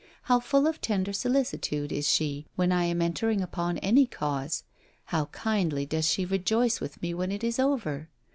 How full of tender solicitude is she when I am entering upon any cause! How kindly does she rejoice with me when it is over!